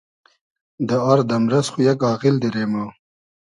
دۂ آر دئمرئس خو یئگ آغیل دیرې مۉ